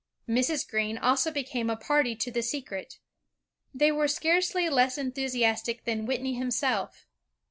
Mrs. Greene also became a party to the secret. They were scarcely less enthusiastic than Whitney him self.